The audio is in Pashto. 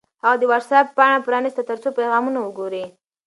هغه د وټس-اپ پاڼه پرانیسته ترڅو پیغامونه وګوري.